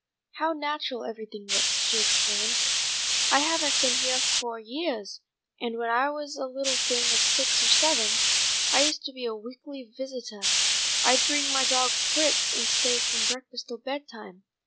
"How natural everything looks," she exclaimed. "I haven't been heah for yeahs, and when I was a little thing of six or seven I used to be a weekly visitah. I'd bring my dawg Fritz, and stay from breakfast till bedtime.